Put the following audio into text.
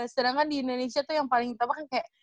sedangkan di indonesia tuh yang paling utama kan kayak